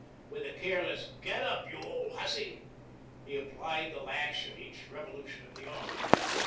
With a careless " Get up, you old hussy," he applied the lash at each revolution of the arm.